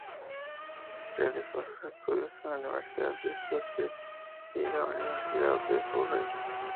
Realizó sus estudios en la Universidad de Sheffield y la Universidad de Surrey.